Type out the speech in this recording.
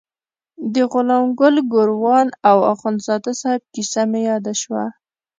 د غلام ګل ګوروان او اخندزاده صاحب کیسه مې یاده شوه.